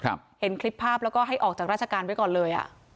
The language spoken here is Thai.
เห็นคลิปภาพแล้วก็ให้ออกจากราชการไว้ก่อนเลยอ่ะ